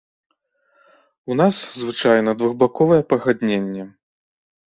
У нас звычайна двухбаковае пагадненне.